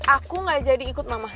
aku nggak jadi ikut mamma